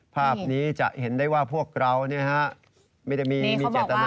ภาพนี้จะเห็นได้ว่าพวกเราไม่ได้มีเจตนาแค่สั่งสอนนะครับ